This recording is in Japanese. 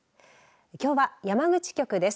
きょうは山口局です。